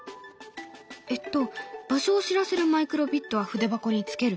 えっと場所を知らせるマイクロビットは筆箱につける。